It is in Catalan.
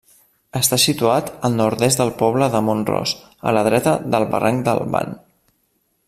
Està situat al nord-est del poble de Mont-ros, a la dreta del barranc del Ban.